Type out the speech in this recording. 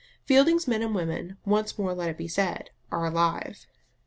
Fielding's men and women, once more let it be said, are all alive.